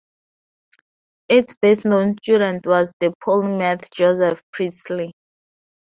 Its best-known student was the polymath Joseph Priestley.